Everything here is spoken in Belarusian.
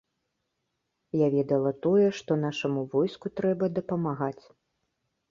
Я ведала тое, што нашаму войску трэба дапамагаць.